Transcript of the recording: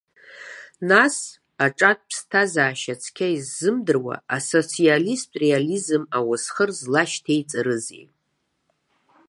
Нас, аҿатә ԥсҭазашьа цқьа иззымдыруа асоциалисттә реализм ауасхыр злашьҭеиҵарызеи?